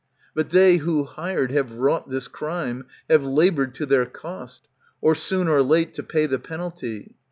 But they who, hired, Have wrought this crime, have laboured to their cost, Or soon or late to pay the penalty.